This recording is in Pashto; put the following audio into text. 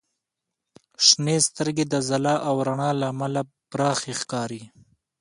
• شنې سترګې د ځلا او رڼا له امله پراخې ښکاري.